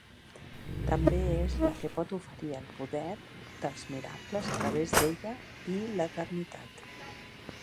També és la que pot oferir el Poder dels Miracles a través d'ella i l'Eternitat.